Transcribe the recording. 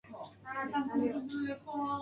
他在大学时效力杜克大学蓝魔鬼篮球队。